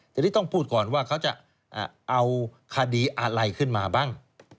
ทีนี้ต้องพูดก่อนว่าเขาจะเอาคดีอะไรขึ้นมาบ้าง